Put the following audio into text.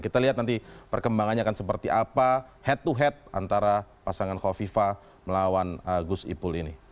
kita lihat nanti perkembangannya akan seperti apa head to head antara pasangan khofifa melawan gus ipul ini